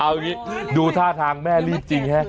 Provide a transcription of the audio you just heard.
เอาอีกนิดนึงดูท่าทางแม่รีบจริง